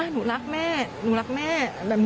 หนูรักแม่